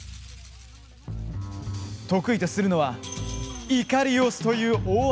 得意とするのはイカリオスという大技。